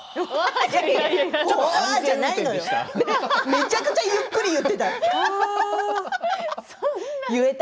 めちゃくちゃゆっくり言っていた。